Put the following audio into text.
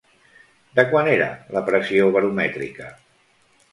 De quant era la pressió baromètrica?